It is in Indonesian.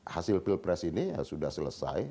hasil pilpres ini sudah selesai